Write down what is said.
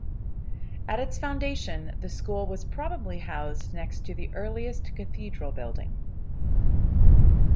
At its foundation, the school was probably housed next to the earliest cathedral building.